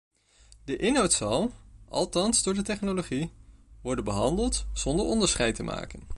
De inhoud zal, althans door de technologie, worden behandeld zonder onderscheid te maken.